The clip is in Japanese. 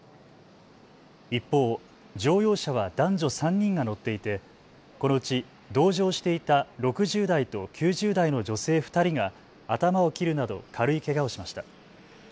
一方、乗用車は男女３人が乗っていて、このうち同乗していた６０代と９０代の女性２人が頭を切るなど軽いけがをしました。